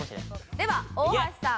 では大橋さん